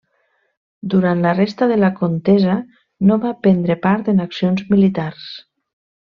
Durant la resta de la contesa no va prendre part en accions militars.